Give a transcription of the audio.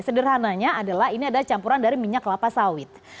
sederhananya adalah ini adalah campuran dari minyak kelapa sawit